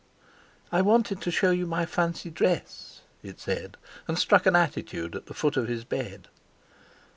"I wanted to show you my fancy dress," it said, and struck an attitude at the foot of his bed.